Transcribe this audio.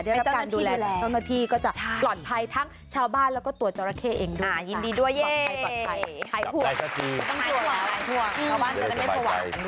เดี๋ยวกับการดูแลต้อนรับที่ก็จะปลอดภัยทั้งชาวบ้านและตัวเจ้าระเคเองด้วยค่ะปลอดภัยปลอดภัยหายห่วงไม่ต้องกลัวแล้วหายห่วงเขาบ้านจะได้ไม่ประวัติ